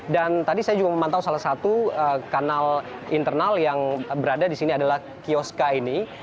dan tadi saya juga memantau salah satu kanal internal yang berada di sini adalah kioska ini